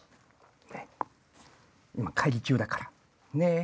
今会議中だから！ねぇ？